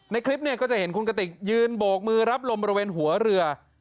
คลิปเนี่ยก็จะเห็นคุณกติกยืนโบกมือรับลมบริเวณหัวเรือ